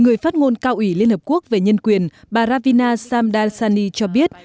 người phát ngôn cao ủy liên hợp quốc về nhân quyền bà ravina samdarsani cho biết